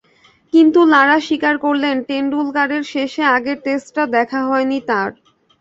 কিন্তু লারা স্বীকার করলেন, টেন্ডুলকারের শেষের আগের টেস্টটা দেখা হয়নি তাঁর।